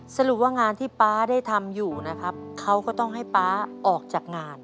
สรุปว่างานที่ป๊าได้ทำอยู่นะครับเขาก็ต้องให้ป๊าออกจากงาน